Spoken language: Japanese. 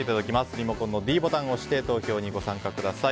リモコンのｄボタンを押して投票にご参加ください。